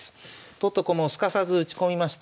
取った駒をすかさず打ち込みました。